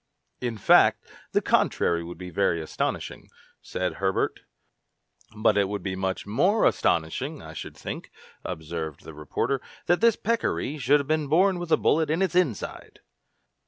"In fact, the contrary would be very astonishing," said Herbert. "But it would be much more astonishing, I should think," observed the reporter, "that this peccary should have been born with a bullet in its inside!"